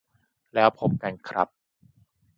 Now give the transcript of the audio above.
แล้วพบกันครับ